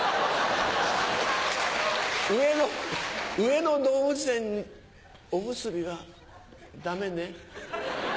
上野上野動物園におむすびはダメね。